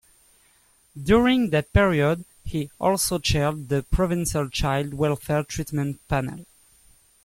During that period he also chaired the provincial Child Welfare Treatment Panel.